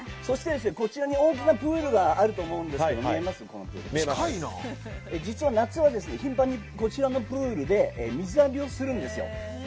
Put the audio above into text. こちらに大きなプールがあるんですが実は、夏は頻繁にこちらのプールで水浴びをするんですよ。